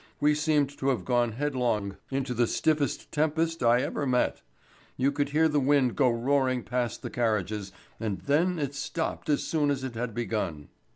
We seemed to have gone headlong into the stiffest tempest I ever met. You could hear the wind go roaring past the carriages, and then it stopped as soon as it had begun.